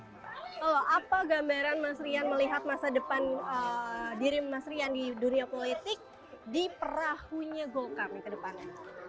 halo apa gambaran mas rian melihat masa depan diri mas rian di dunia politik di perahunya golkar nih ke depannya